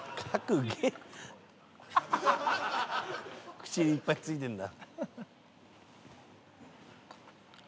口いっぱい付いてるんだ。